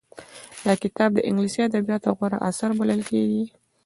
دا کتاب د انګليسي ادبياتو غوره اثر بلل کېږي.